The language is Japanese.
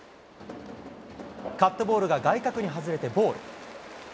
カットボールが外角に外れてボール。